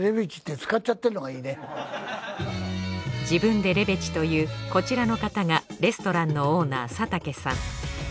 自分でレベチというこちらの方がレストランのオーナー佐竹さん。